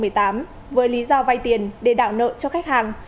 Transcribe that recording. vũ đức anh đã làm quen và vay tiền cho khách hàng